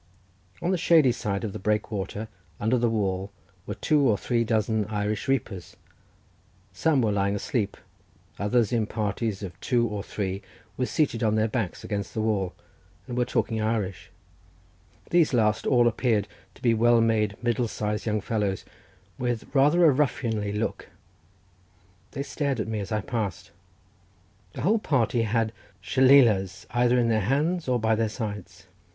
On the shady side of the breakwater, under the wall, were two or three dozen of Irish reapers; some were lying asleep, others in parties of two or three were seated with their backs against the wall, and were talking Irish; these last all appeared to be well made, middle sized young fellows, with rather a ruffianly look; they stared at me as I passed. The whole party had shillealahs either in their hands or by their sides.